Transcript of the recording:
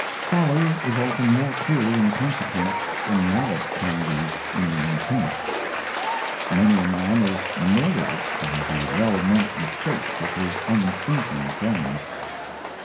Folly is often more cruel in the Consequence, than Malice can be in the Intent. Many a Man is murthered by the well meant Mistakes of his unthinking Friends.